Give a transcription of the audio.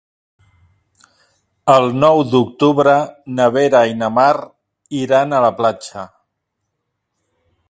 El nou d'octubre na Vera i na Mar iran a la platja.